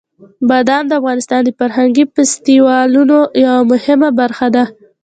بادام د افغانستان د فرهنګي فستیوالونو یوه مهمه برخه ده.